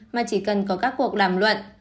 mà chỉ cần có các cuộc đàm luận